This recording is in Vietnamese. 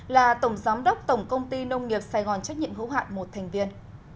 là tổng giám đốc tổng công ty nông nghiệp sài gòn trách nhiệm hữu hạn một thành viên